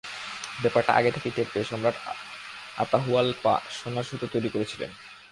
ব্যাপারটা আগে থেকেই টের পেয়ে সম্রাট আতাহুয়াল্পা সোনার সুতো তৈরি করেছিলেন।